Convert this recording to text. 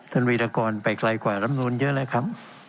ท่านวิทยากรไปไกลกว่ารำนวนเยอะแหละครับ